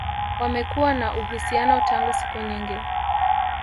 Wamekuwa na uhusiano tangu siku nyingi